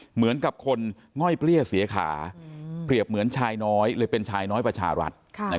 เหมือนกับคนง่อยเปรี้ยเสียขาเปรียบเหมือนชายน้อยเลยเป็นชายน้อยประชารัฐ